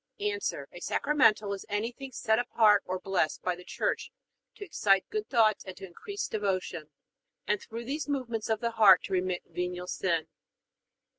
A. A sacramental is anything set apart or blessed by the Church to excite good thoughts and to increase devotion, and through these movements of the heart to remit venial sin.